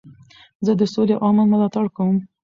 زه د سولي او امن ملاتړ کوم.